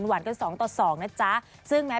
หวานกัน๒ต่อ๒นะจ๊ะซึ่งแม้